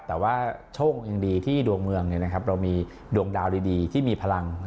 แต่ว่าโชคยังดีที่ดวงเมืองเรามีดวงดาวดีที่มีพลัง